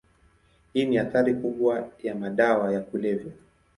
Hii ni athari kubwa ya madawa ya kulevya.